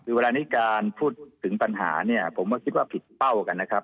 คือเวลานี้การพูดถึงปัญหาเนี่ยผมก็คิดว่าผิดเป้ากันนะครับ